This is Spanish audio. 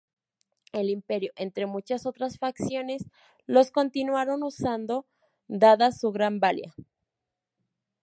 El Imperio, entre muchas otras facciones, los continuaron usando dada su gran valía.